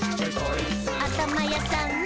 「あたまやさんの！」